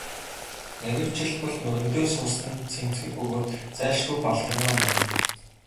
Нарийвчилбал, морин дээр суусан нь цэмцгэр бөгөөд зайлшгүй Балгармаа мөн.